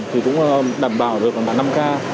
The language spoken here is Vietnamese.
thì cũng đảm bảo được khoảng năm k